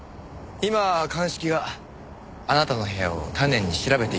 今鑑識があなたの部屋を丹念に調べています。